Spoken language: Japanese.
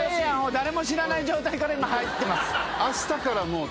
誰も知らない状態から今入ってます。